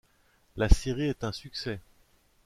La série est un succès.